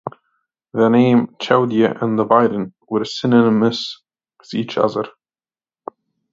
The name Chowdiah and the violin were synonymous with each other.